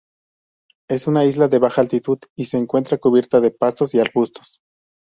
Es un isla de baja altitud y se encuentra cubierta de pastos y arbustos.